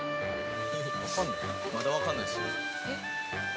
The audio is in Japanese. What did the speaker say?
まだわかんないですね。